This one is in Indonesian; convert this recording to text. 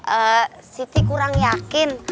eee siti kurang yakin